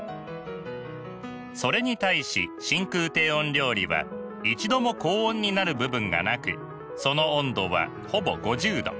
それに対し真空低温料理は一度も高温になる部分がなくその温度はほぼ５０℃。